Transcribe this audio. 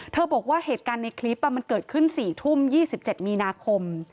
บอกว่าเหตุการณ์ในคลิปมันเกิดขึ้น๔ทุ่ม๒๗มีนาคม